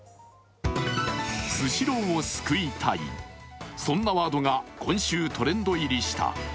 「スシローを救いたい」、そんなワードが今週、トレンド入りした。